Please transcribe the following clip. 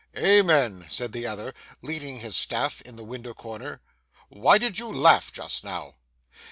'Amen!' said the other, leaning his staff in the window corner. 'Why did you laugh just now?